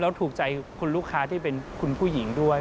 แล้วถูกใจคุณลูกค้าที่เป็นคุณผู้หญิงด้วย